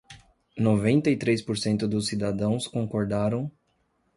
Noventa e três por cento dos cidadãos concordaram